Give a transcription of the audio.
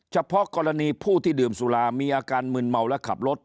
เฉพาะกรณีผู้ที่ดื่มสุรามีอาการมึนเมาและขับรถ